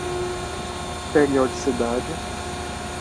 periodicidade